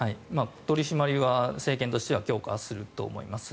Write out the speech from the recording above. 取り締まりは政権としては強化すると思います。